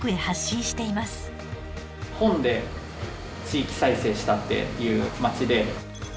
本で地域再生したっていう街で。